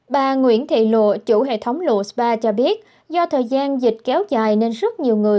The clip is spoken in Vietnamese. bà nguyễn thị lụa chủ hệ thống lộ spa cho biết do thời gian dịch kéo dài nên rất nhiều người